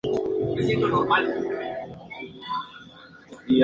Su nombre significa "Pequeña Villa" y está consagrada a San Miguel Arcángel.